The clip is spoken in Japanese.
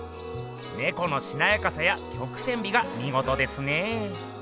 ネコのしなやかさや曲線美がみごとですね。